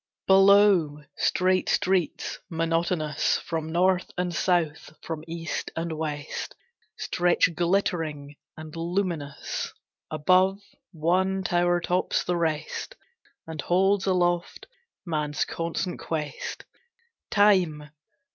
Below, straight streets, monotonous, From north and south, from east and west, Stretch glittering; and luminous Above, one tower tops the rest And holds aloft man's constant quest: Time!